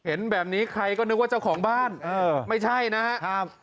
เห็นแบบนี้ใครก็นึกว่าเจ้าของบ้านไม่ใช่นะครับ